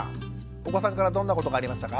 お子さんからどんなことがありましたか？